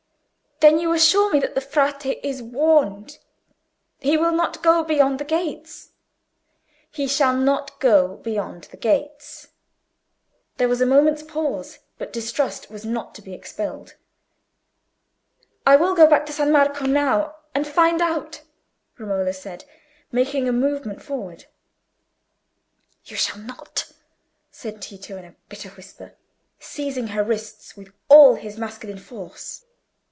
"Then you assure me that the Frate is warned—he will not go beyond the gates?" "He shall not go beyond the gates." There was a moment's pause, but distrust was not to be expelled. "I will go back to San Marco now and find out," Romola said, making a movement forward. "You shall not!" said Tito, in a bitter whisper, seizing her wrists with all his masculine force.